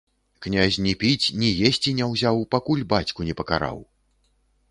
Князь ні піць, ні есці не ўзяў, пакуль бацьку не пакараў.